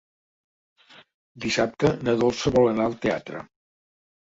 Dissabte na Dolça vol anar al teatre.